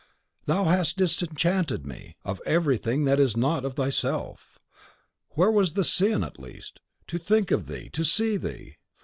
Thou hast disenchanted me of everything that is not of thyself. Where was the sin, at least, to think of thee, to see thee?